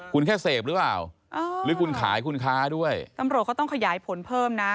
คุณแค่เสพหรือเปล่าหรือคุณขายคุณค้าด้วยตำรวจก็ต้องขยายผลเพิ่มนะ